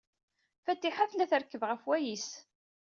Fatiḥa tella trekkeb ɣef wayis.